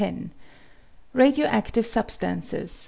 2294. RADIO ACTIVE SUBSTANCES.'